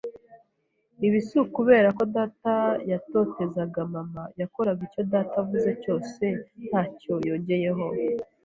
Ibi si ukubera ko data yatotezaga mama… Yakoraga icyo data avuze cyose nta cyo yongeyeho